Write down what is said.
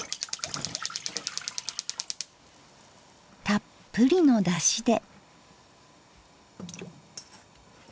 たっぷりのだしで。